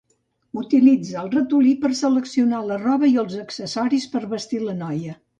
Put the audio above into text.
Utilitza el ratolí per seleccionar la roba i els accessoris per vestir la noia.